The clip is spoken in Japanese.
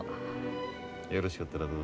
よろしかったらどうぞ。